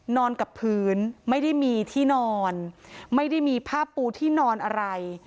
นอนกับพื้นไม่ได้มีที่นอนไม่ได้มีผ้าปูที่นอนอะไร